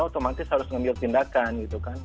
otomatis harus ngambil tindakan gitu kang